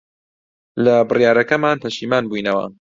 لە بڕیارەکەمان پەشیمان بووینەوە.